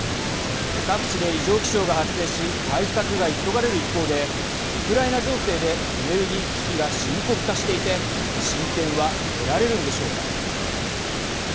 各地で異常気象が発生し対策が急がれる一方でウクライナ情勢でエネルギー危機が深刻化していて進展は得られるんでしょうか。